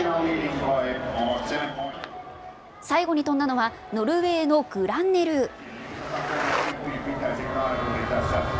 最後に飛んだのは、ノルウェーのグランネルー。